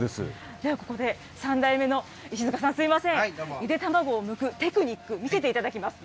では、ここで３代目の石塚さん、すみません、ゆで卵をむくテクニック、見せていただきます。